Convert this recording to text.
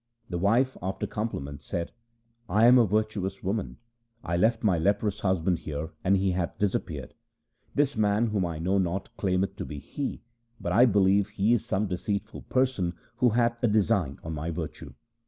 The wife after compliments said :' I am a virtuous woman. I left my leprous husband here and he hath disappeared. This man whom I know not, claimeth to be he, but I believe he is some deceitful person who hath a design on my virtue.